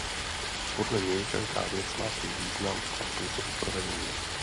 Podle něj každá věc má svůj význam a způsob provedení.